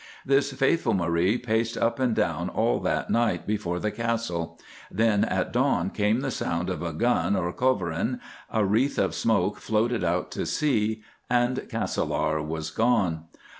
This faithful Marie paced up and down all that night before the Castle; then at dawn came the sound of a gun or culverin, a wreath of smoke floated out to sea, and Castelar was gone.